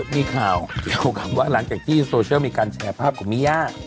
มีข่าวเกี่ยวกับว่าหลังจากที่โซเชียลมีการแชร์ภาพของมิย่า